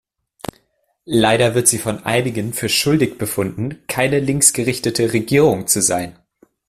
Leider wird sie von einigen für schuldig befunden, keine linksgerichtete Regierung zu sein.